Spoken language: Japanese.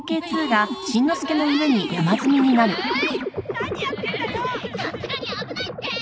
「何やってんだよ！」